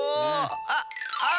あっあっ！